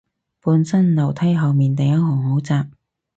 本身樓梯後面第一行好窄